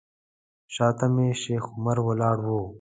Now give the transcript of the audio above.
شاته مې شیخ عمر ولاړ و.